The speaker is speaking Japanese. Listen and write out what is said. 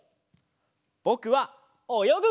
ぼくはおよぐ！